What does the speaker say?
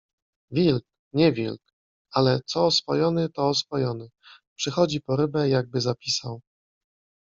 - Wilk, nie wilk, ale co oswojony, to oswojony. Przychodzi po rybę, jakby zapisał